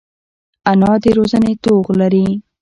انا د روزنې توغ لري